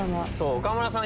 岡村さん